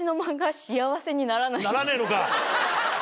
ならねえのか。